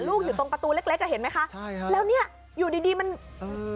อยู่ตรงประตูเล็กเล็กอ่ะเห็นไหมคะใช่ฮะแล้วเนี้ยอยู่ดีดีมันอืม